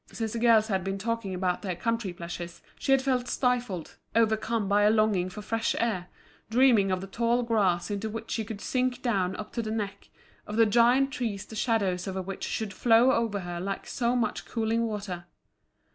Since the girls had been talking about their country pleasures she had felt stifled, overcome by a longing for fresh air, dreaming of the tall grass into which she could sink down up to the neck, of the giant trees the shadows of which should flow over her like so much cooling water.